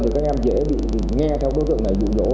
thì các em dễ bị nghe các đối tượng này dụ dỗ